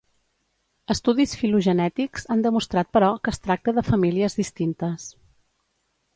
Estudis filogenètics han demostrat però que es tracta de famílies distintes.